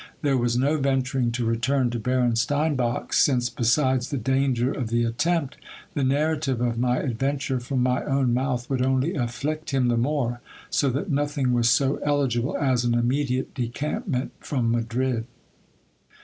There was no venturing to return to Baron Steinbach's, since, besides the danger of the attempt, the narrative of my ad venture from my own mouth would only afflict him the more, so that nothing was so eligible as an immediate decampment from Madrid.